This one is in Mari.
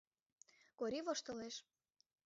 — Кори воштылеш.